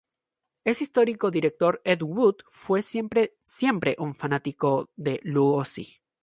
El histórico director Ed Wood fue desde siempre un fanático de Lugosi.